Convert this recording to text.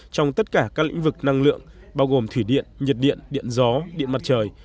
trong tất cả các lĩnh vực năng lượng bao gồm thủy điện nhiệt điện điện gió điện mặt trời